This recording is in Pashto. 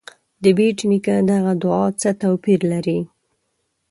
د بېټ نیکه دغه دعا څه توپیر لري.